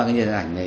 nhân diện ảnh này